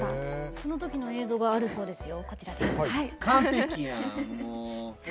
そのときの映像があるそうですよ。